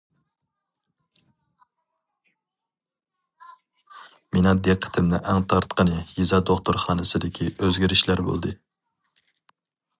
مېنىڭ دىققىتىمنى ئەڭ تارتقىنى يېزا دوختۇرخانىسىدىكى ئۆزگىرىشلەر بولدى.